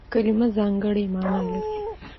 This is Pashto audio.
کلیمه ځانګړې مانا لري.